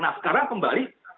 nah sekarang kembali